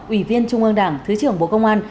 ủy viên trung ương đảng thứ trưởng bộ công an